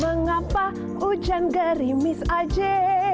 mengapa hujan gerimis aja